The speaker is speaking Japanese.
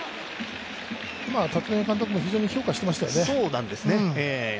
立浪監督も非常に評価してましたよね。